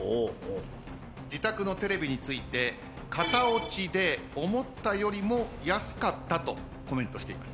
自宅のテレビについて「型落ちで思ったよりも安かった」とコメントしています。